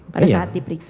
pada saat diperiksa